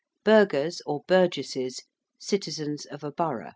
~burghers~ or burgesses: citizens of a borough.